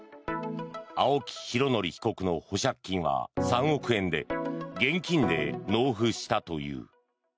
青木拡憲被告の保釈金は３億円で現金で納付したという。